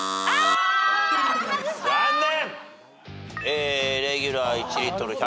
残念！